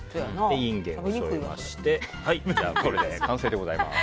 インゲンを添えましてこれで完成でございます。